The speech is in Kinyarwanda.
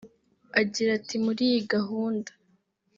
Agira ati”muri iyi gahunda